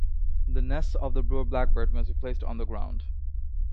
The nests of the brewer blackbird must be placed on the ground.